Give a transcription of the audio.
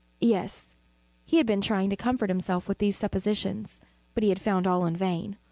Yes, he had been trying to comfort himself with these suppositions: but he had found all in vain.